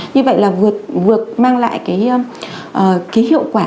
như vậy là vượt mang lại hiệu quả